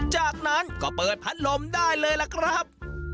จากนั้นก็เปิดพัดลมได้เลยล่ะครับ